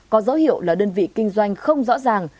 có dấu hiệu là đơn vị kinh doanh không rõ ràng